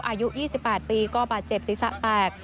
อายุ๒๘ปีก็บาดเจ็บศีรษะแตก